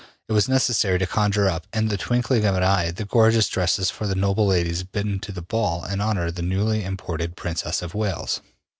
It was necessary to conjure up in the twinkling of an eye the gorgeous dresses for the noble ladies bidden to the ball in honor of the newly imported Princess of Wales.